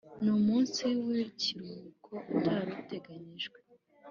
N umunsi w ikiruhuko utari uteganyijwe